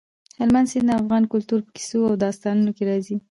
هلمند سیند د افغان کلتور په کیسو او داستانونو کې راځي.